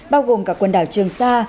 bao gồm cả quần đảo trường sa